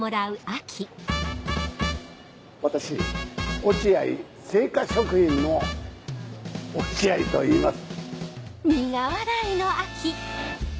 私落合製菓食品の落合といいます。